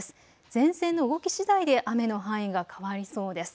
前線の動きしだいで雨の範囲が変わりそうです。